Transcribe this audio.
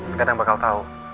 tengah tengah bakal tahu